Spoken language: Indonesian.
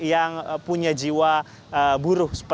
yang punya jiwa buruh